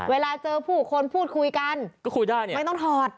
เวลาเจอผู้คนพูดคุยกันก็คุยได้เนี่ยไม่ต้องถอด